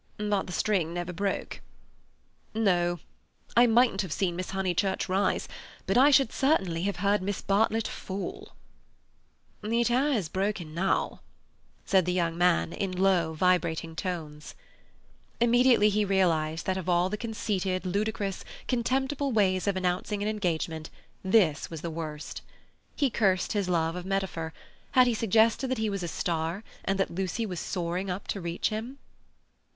"But the string never broke?" "No. I mightn't have seen Miss Honeychurch rise, but I should certainly have heard Miss Bartlett fall." "It has broken now," said the young man in low, vibrating tones. Immediately he realized that of all the conceited, ludicrous, contemptible ways of announcing an engagement this was the worst. He cursed his love of metaphor; had he suggested that he was a star and that Lucy was soaring up to reach him?